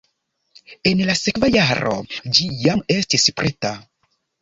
En la sekva jaro ĝi jam estis preta.